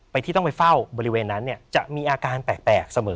ที่ต้องไปเฝ้าบริเวณนั้นจะมีอาการแปลกเสมอ